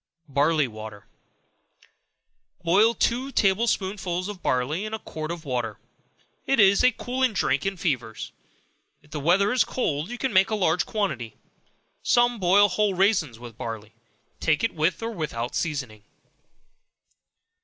Barley Water. Boil two table spoonsful of barley in a quart of water; it is a cooling drink in fevers. If the weather is cold, you can make a larger quantity. Some boil whole raisins with barley; take it with or without seasoning.